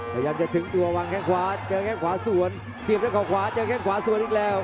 พยายามจะถึงตัววางแข้งขวาเจอแค่งขวาสวนเสียบด้วยเขาขวาเจอแค่งขวาสวนอีกแล้ว